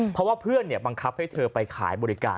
เพราะว่าเพื่อนบังคับให้เธอไปขายบริการ